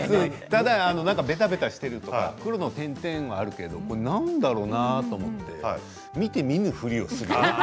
ただ、べたべたしているとか黒い点々はあるけど何だろうな？と思って見て見ぬふりをする。